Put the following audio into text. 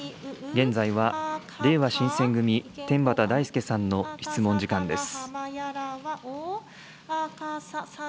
現在は、れいわ新選組、天畠大輔さんの質問時間です。